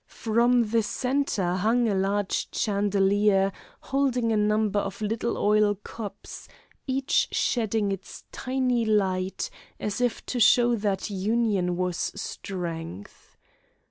From the centre hung a large chandelier holding a number of little oil cups, each shedding its tiny light, as if to show that union was strength.